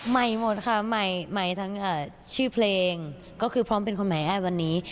ใหม่หมดค่ะใหม่ทั้งชื่อเพลงก็คือพร้อมเป็นคนใหม่แอบวันนี้